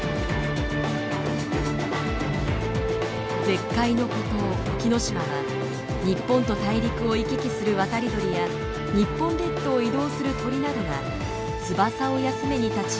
絶海の孤島・沖ノ島は日本と大陸を行き来する渡り鳥や日本列島を移動する鳥などが翼を休めに立ち寄る中継地。